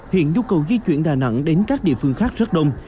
hiện nhu cầu di chuyển đà nẵng đến các địa phương khác rất đông